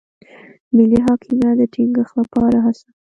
ملي حاکمیت د ټینګښت لپاره هڅه.